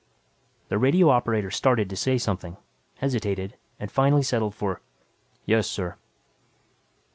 The radio operator started to say something, hesitated and finally settled for, "yes, sir."